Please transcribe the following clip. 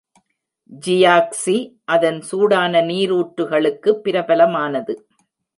Jiaoxi அதன் சூடான நீரூற்றுகளுக்கு பிரபலமானது.